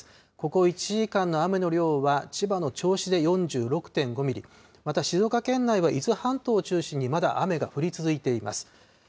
ここ１時間の雨の量は、千葉の銚子で４６．５ミリ、また、静岡県内は伊豆半島を中心に、まだ雨が降り続いています。